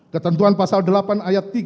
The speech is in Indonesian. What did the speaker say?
ketentuan pasal delapan ayat tiga